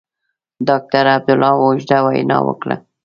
ډاکټر عبدالله اوږده وینا وکړه.